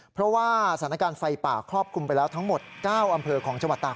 เพราะว่าสถานการณ์ไฟป่าครอบคลุมไปแล้วทั้งหมด๙อำเภอของจังหวัดตาก